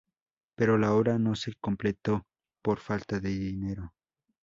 Pero la obra no se completó por falta de dinero.